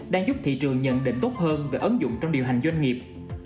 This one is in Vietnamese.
đang giúp thị trường nhận định tốt hơn về ứng dụng trong điều hành doanh nghiệp